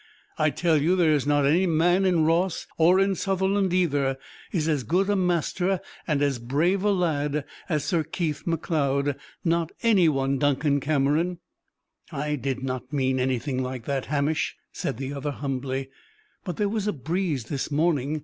I tell you there is not any man in Ross, or in Sutherland either, is as good a master and as brave a lad as Sir Keith Macleod not any one, Duncan Cameron!" "I did not mean anything like that, Hamish," said the other, humbly. "But there was a breeze this morning.